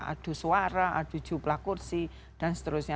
adu suara adu jumlah kursi dan seterusnya